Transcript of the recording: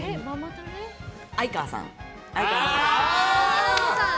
相川さん。